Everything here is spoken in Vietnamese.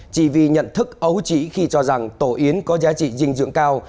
tv nhận thức ấu trí khi cho rằng tổ yến có giá trị dinh dưỡng cao